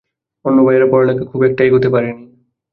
অন্য ভাইয়েরা পড়ালেখা খুব একটা এগোতে পারেনি।